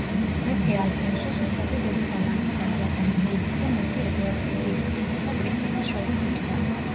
მეფე ალფონსო სუფრაზე დედოფალ ალექსანდრა დანიელისა და მეფე ედუარდის დის, პრინცესა კრისტინას შორის იჯდა.